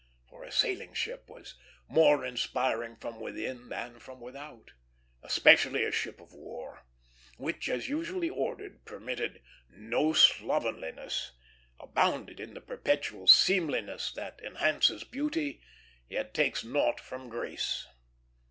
For a sailing ship was more inspiring from within than from without, especially a ship of war, which, as usually ordered, permitted no slovenliness; abounded in the perpetual seemliness that enhances beauty yet takes naught from grace.